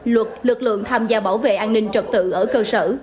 luật lực lượng tham gia bảo vệ an ninh trật tự ở cơ sở